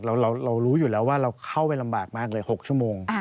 เรารู้อยู่แล้วว่าเราเข้าไปลำบากมากเลย๖ชั่วโมง